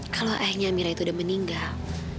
kalau ayahnya mira itu udah meninggal